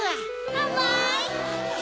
あまい！